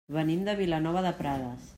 Venim de Vilanova de Prades.